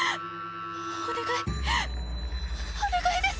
お願いお願いです。